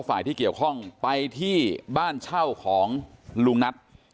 ฝ่ายที่เกี่ยวข้องไปที่บ้านเช่าของลุงนัท